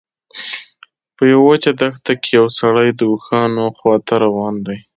په یوه وچه دښته کې یو سړی د اوښانو خواته روان دی.